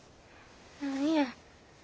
何や。